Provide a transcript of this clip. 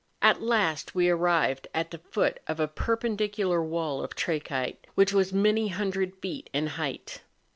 At last we arrived, at the foot of a perpendicular wall of trachyte which was many hundred feet in height.